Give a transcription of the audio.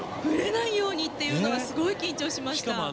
ぶれないようにってすごい緊張しました。